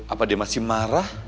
apa dia masih marah